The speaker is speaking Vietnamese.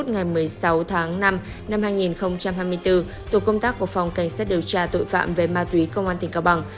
ngày một mươi sáu tháng năm năm hai nghìn hai mươi bốn tổ công tác của phòng cảnh sát điều tra tội phạm về ma túy công an tỉnh cao bằng